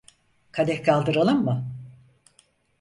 Kadeh kaldıralım mı?